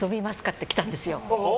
って来たんですよ。